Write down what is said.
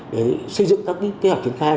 để xây dựng các kế hoạch triển khai